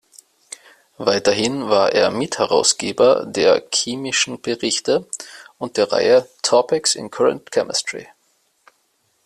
Weiterhin war er Mitherausgeber der „Chemischen Berichte“ und der Reihe „Topics in Current Chemistry“.